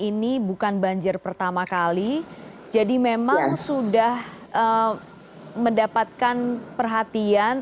ini bukan banjir pertama kali jadi memang sudah mendapatkan perhatian